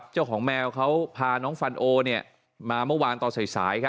แมวเขาพาน้องฟันโอมาเมื่อวานตอนสาย